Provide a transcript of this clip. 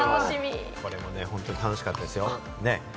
本当に楽しかったですよ。